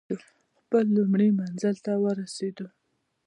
خپل لومړي منزل ته ورسېدو.